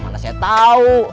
gak ada saya tau